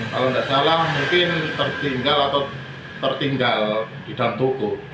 kalau tidak salah mungkin tertinggal di dalam toko